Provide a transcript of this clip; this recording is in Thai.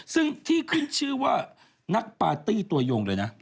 ซึ่งที่ขึ้นชื่อว่านักปาร์ตี้ตัวยงเลยนะ